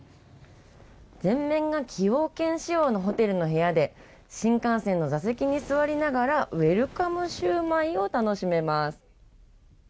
全面が崎陽軒仕様のホテルの部屋で新幹線の座席に座りながらウェルカムシウマイを楽しめます。